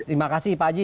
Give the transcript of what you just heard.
terima kasih pak haji